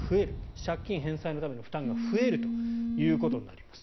借金返済のための負担が増えるということになります。